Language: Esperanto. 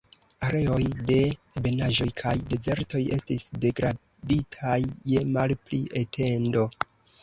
Areoj de ebenaĵoj kaj dezertoj estis degraditaj je malpli etendo.